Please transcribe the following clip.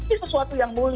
ini sesuatu yang mulia